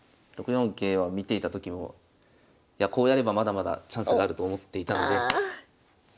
６四桂は見ていた時もこうやればまだまだチャンスがあると思っていたので。